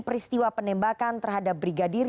peristiwa penembakan terhadap brigadir